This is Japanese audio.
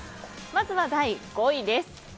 まずは第５位です。